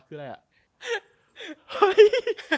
คืออะไรอ่ะ